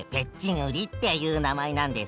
ウリっていう名前なんですか？